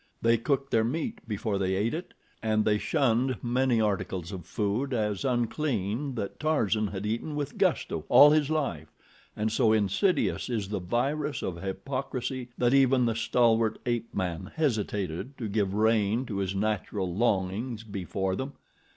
They cooked their meat before they ate it and they shunned many articles of food as unclean that Tarzan had eaten with gusto all his life and so insidious is the virus of hypocrisy that even the stalwart ape man hesitated to give rein to his natural longings before them.